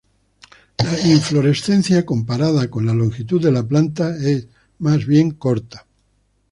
La inflorescencia, comparada con la longitud de la planta es más bien corta.